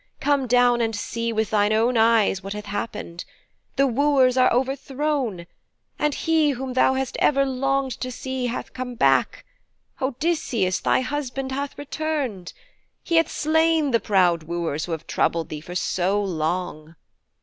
Come down and see with thine own eyes what hath happened. The wooers are overthrown. And he whom thou hast ever longed to see hath come back. Odysseus, thy husband, hath returned. He hath slain the proud wooers who have troubled thee for so long.'